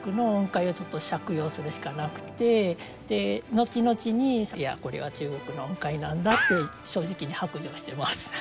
後々にいやこれは中国の音階なんだって正直に白状しています。